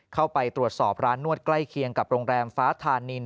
เข้าไปตรวจสอบร้านนวดใกล้เคียงกับโรงแรมฟ้าธานิน